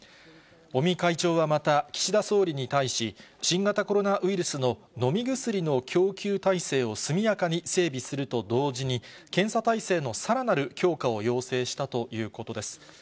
尾身会長はまた、岸田総理に対し、新型コロナウイルスの飲み薬の供給体制を速やかに整備すると同時に、検査体制のさらなる強化を要請したということです。